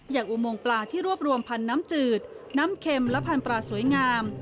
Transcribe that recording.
อุโมงปลาที่รวบรวมพันธุ์น้ำจืดน้ำเข็มและพันธุ์ปลาสวยงาม